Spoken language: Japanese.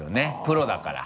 プロだから。